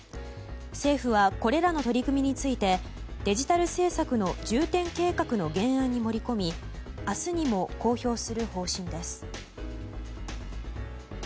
政府はこれらの取り組みについてデジタル政策の重点計画の原案に盛り込み明日にも公表する方針です。